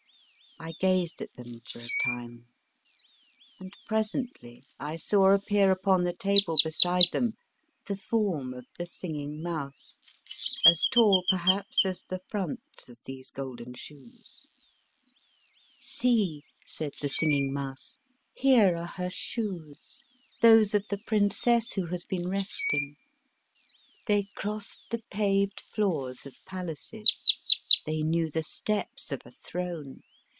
I gazed at them for a time, and presently I saw appear upon the table beside them, the form of the Singing Mouse, as tall perhaps as the fronts of these golden shoes. "See," said the Singing Mouse, "here are her shoes, those of the princess who has been resting. They crossed the paved floors of palaces. They knew the steps of a throne.